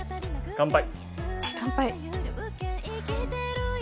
乾杯！